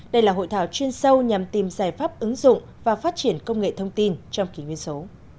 đây là hội thảo chuyên sâu nhằm tìm giải pháp ứng dụng và phát triển công nghệ thông tin trong kỷ nguyên số